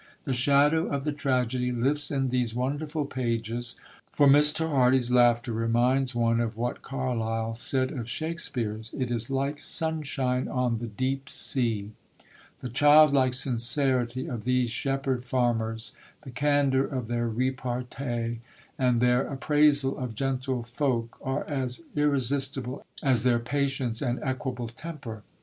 The shadow of the tragedy lifts in these wonderful pages, for Mr. Hardy's laughter reminds one of what Carlyle said of Shakespeare's: it is like sunshine on the deep sea. The childlike sincerity of these shepherd farmers, the candour of their repartee and their appraisal of gentle folk are as irresistible as their patience and equable temper.